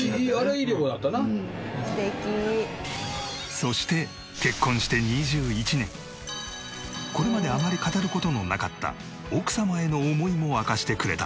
「素敵」そして結婚して２１年これまであまり語る事のなかった奥様への思いも明かしてくれた。